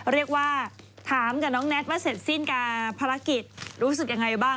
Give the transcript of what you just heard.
เรียกว่าถามกับน้องแน็ตว่าเสร็จสิ้นกับภารกิจรู้สึกยังไงบ้าง